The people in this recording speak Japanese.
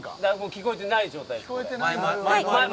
聞こえてない状態ですね。